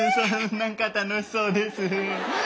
なんか楽しそうです。